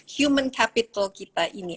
human capital kita ini